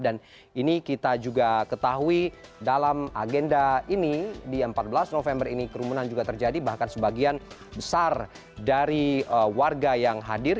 dan ini kita juga ketahui dalam agenda ini di empat belas november ini kerumunan juga terjadi bahkan sebagian besar dari warga yang hadir